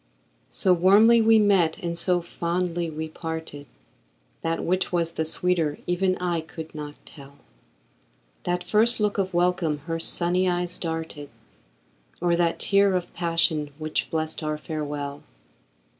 So warmly we met and so fondly we parted, That which was the sweeter even I could not tell, That first look of welcome her sunny eyes darted, Or that tear of passion, which blest our farewell.